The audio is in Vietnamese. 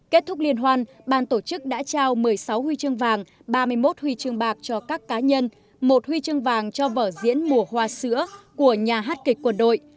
kết thúc liên hoan ban tổ chức đã trao một mươi sáu huy chương vàng ba mươi một huy chương bạc cho các cá nhân một huy chương vàng cho vở diễn mùa hoa sữa của nhà hát kịch quân đội